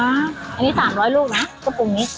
อันนี้๓๐๐ลูกนะกระโปรงนี้